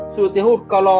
sự tiến hút ca lo